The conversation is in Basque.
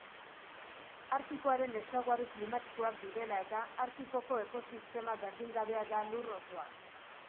Artikoaren ezaugarri klimatikoak direla eta, Artikoko ekosistema berdingabea da Lur osoan.